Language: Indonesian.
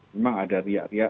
memang ada riak riak